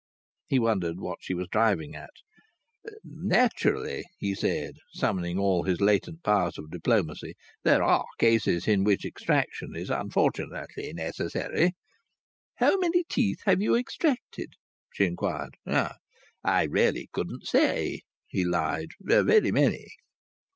He wondered what she was driving at. "Naturally," he said, summoning all his latent powers of diplomacy, "there are cases in which extraction is unfortunately necessary." "How many teeth have you extracted?" she inquired. "I really couldn't say," he lied. "Very many."